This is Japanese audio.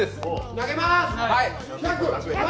投げまーす。